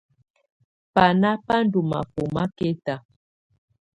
Baná bá ndɔ́ mafɔma kɛta.